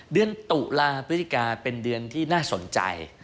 เดือนตุลาพฤศจิกาเป็นเดือนที่น่าสนใจ